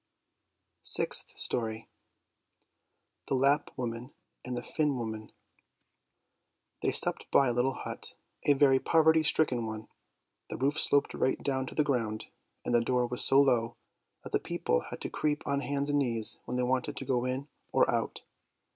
SIXTH STORY THE LAPP WOMAN AND THE FINN WOMAN They stopped by a little hut, a very poverty stricken one; the roof sloped right down to the ground, and the door was so low that the people had to creep on hands and knees when they wanted to go in or out.